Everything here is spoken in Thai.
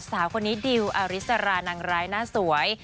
สาวคนนี้ดิวอาริสรานางร้ายหน้าสวย